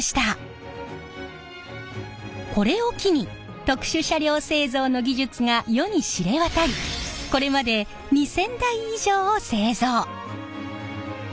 これを機に特殊車両製造の技術が世に知れ渡りこれまで２，０００台以上を製造！